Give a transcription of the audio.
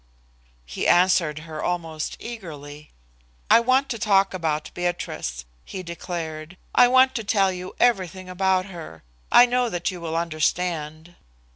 He answered her almost eagerly. "I want to talk about Beatrice," he declared. "I want to tell you everything about her. I know that you will understand.